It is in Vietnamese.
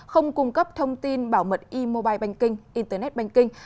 không cung cấp thông tin bảo mật e mobile bành kinh internet bành kinh